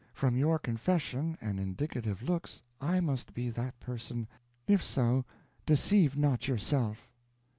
From your confession and indicative looks, I must be that person; if so deceive not yourself."